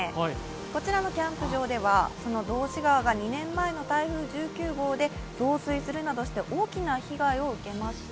こちらのキャンプ場ではその道志川が２年前の台風で増水するなどして大きな被害を受けました。